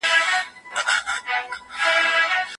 ښوونځې تللې مور د ملا درد مخنیوی کوي.